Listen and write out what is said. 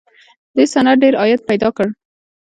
دې صنعت ډېر عاید پیدا کړ